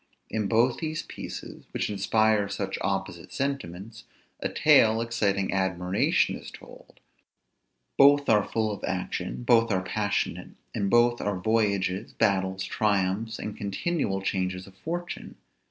In both these pieces, which inspire such opposite sentiments, a tale exciting admiration is told; both are full of action, both are passionate; in both are voyages, battles, triumphs, and continual changes of fortune.